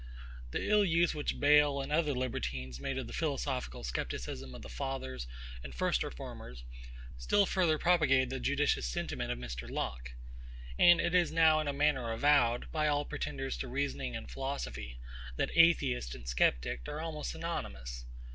The ill use which BAYLE and other libertines made of the philosophical scepticism of the fathers and first reformers, still further propagated the judicious sentiment of Mr. LOCKE: And it is now in a manner avowed, by all pretenders to reasoning and philosophy, that Atheist and Sceptic are almost synonymous.